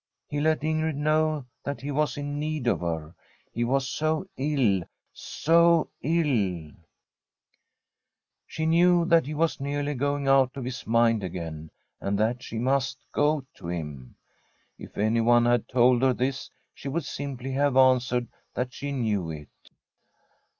He let Ingrid know that he was in need of her. He was so ill — so ill ! She knew that he was nearly going out of his mind again, and that she must go to him. If anyone had told her this, she would simply have answered that she knew it.